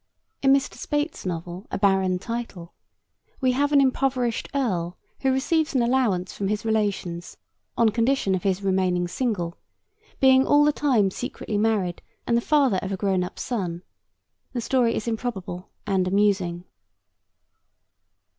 In Mr. Speight's novel, A Barren Title, we have an impoverished earl who receives an allowance from his relations on condition of his remaining single, being all the time secretly married and the father of a grown up son. The story is improbable and amusing.